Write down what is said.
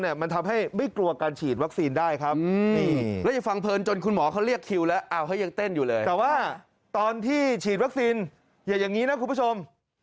อย่าอย่างนี้นะคุณผู้ชม